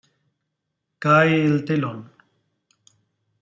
Cae el telón.